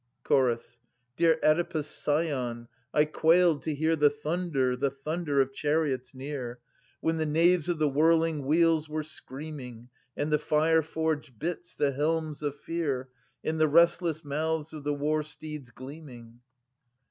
Chorus. {Sir. i) Dear Oedipus* scion, I quailed to hear The thunder, the thunder, of chariots near, When thfe naves of the whirling wheels were screaming. And the fire forged bits, the helms of fear. In the restless mouths of the war steeds gleaming.